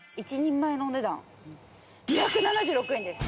２７６円です。